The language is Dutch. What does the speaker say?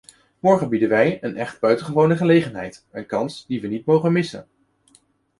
Morgen bieden wij een echt buitengewone gelegenheid, een kans die we niet mogen missen.